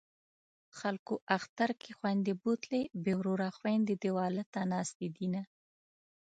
خلکو اختر کې خویندې بوتلې بې وروره خویندې دېواله ته ناستې دینه